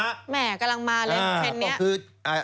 อ่าก็คือ